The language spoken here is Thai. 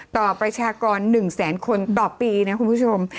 ประชากร๑แสนคนต่อปีนะคุณผู้ชม